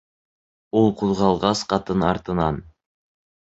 Ул ҡуҙғалғас, ҡатын артынан: